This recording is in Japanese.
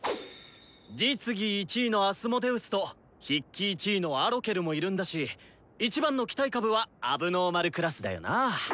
実技１位のアスモデウスと筆記１位のアロケルもいるんだし一番の期待株は問題児クラスだよな！